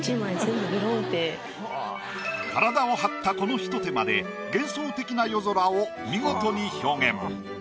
体を張ったこのひと手間で幻想的な夜空を見事に表現。